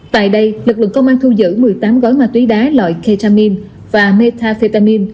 tại đây lực lượng công an thu giữ một mươi tám gói ma túy đá loại ketamin và metafetamin